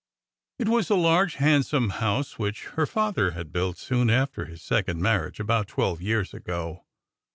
It was a large handsome house, which her father had built soon after his second marriage, about twelve years ago.